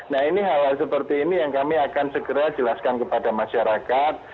nah ini hal hal seperti ini yang kami akan segera jelaskan kepada masyarakat